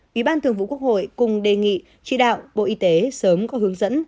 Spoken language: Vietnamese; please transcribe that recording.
ủy ban thường vụ quốc hội cùng đề nghị tri đạo bộ y tế sớm có hướng dẫn